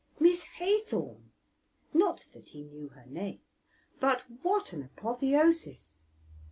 Miss Haythorn! (not that he knew her name), but what an apotheosis!